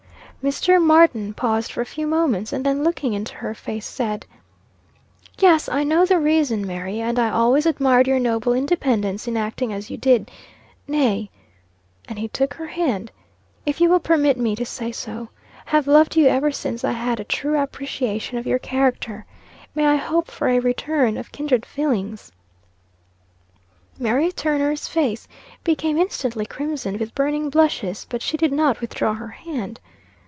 Mr. Martin paused for a few moments, and then looking into her face, said "Yes, I know the reason, Mary, and I always admired your noble independence in acting as you did nay," and he took her hand, "If you will permit me to say so, have loved you ever since I had a true appreciation of your character. May I hope for a return of kindred feelings?" Mary Turner's face became instantly crimsoned with burning blushes, but she did not withdraw her hand.